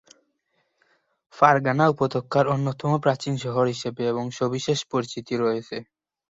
Fergana উপত্যকার অন্যতম প্রাচীন শহর হিসেবে এর সবিশেষ পরিচিতি রয়েছে।